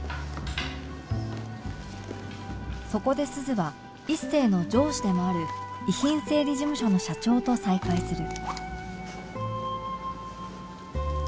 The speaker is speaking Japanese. そこで鈴は一星の上司でもある遺品整理事務所の社長と再会する